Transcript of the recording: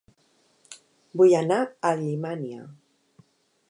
Vull anar a Llimiana